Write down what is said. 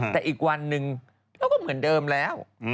แต่อีกวันหนึ่งเขาก็เหมือนเดิมแล้ว